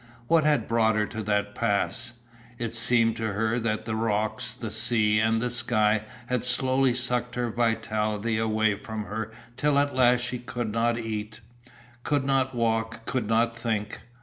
What had brought her to that pass? It seemed to her that the rocks, the sea and the sky had slowly sucked her vitality away from her till at last she could not eat, could not walk, could not think.